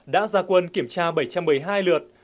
đã ra quân kiểm tra bảy trăm một mươi hai lượt